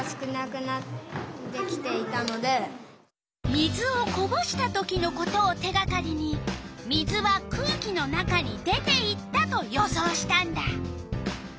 水をこぼした時のことを手がかりに水は空気の中に出ていったと予想したんだ。